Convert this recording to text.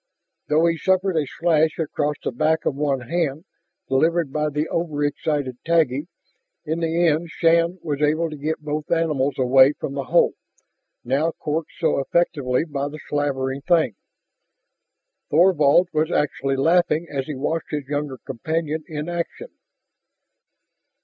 Though he suffered a slash across the back of one hand, delivered by the over excited Taggi, in the end Shann was able to get both animals away from the hole, now corked so effectively by the slavering thing. Thorvald was actually laughing as he watched his younger companion in action.